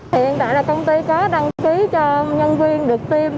hiện tại là công ty có đăng ký cho nhân viên được tiêm